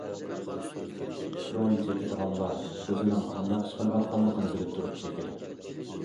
خىروئىن چېكىدىغانلار ئۆزىنىڭ قانداق ئىش قىلىۋاتقانلىقىنى بىلىپ تۇرۇپ چېكىدۇ.